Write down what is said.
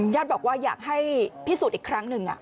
บอกว่าอยากให้พิสูจน์อีกครั้งหนึ่ง